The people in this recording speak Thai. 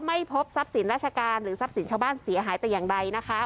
ไม่พบทรัพย์สินราชการหรือทรัพย์สินชาวบ้านเสียหายแต่อย่างใดนะคะ